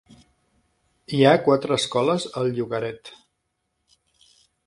Hi ha quatre escoles al llogaret.